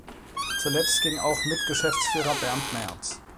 Zuletzt ging auch Mitgeschäftsführer Bernd Merz.